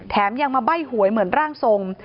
ยังมาใบ้หวยเหมือนร่างทรง